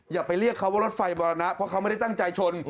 อย่าไปเรียกเขาว่ารถไฟมรณะเพราะเขาไม่ได้ตั้งใจชน